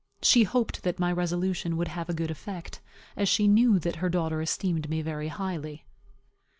She hoped that my resolution would have a good effect, as she knew that her daughter esteemed me very highly.